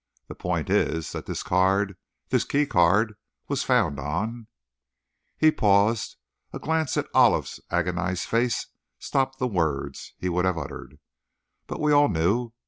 The point is, that this card, this key card, was found on " He paused: a glance at Olive's agonized face stopped the words he would have uttered. But we all knew.